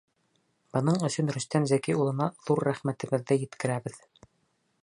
Бының өсөн Рөстәм Зәки улына ҙур рәхмәтебеҙҙе еткерәбеҙ.